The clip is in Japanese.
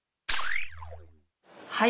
はい。